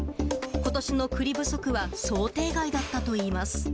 ことしの栗不足は想定外だったといいます。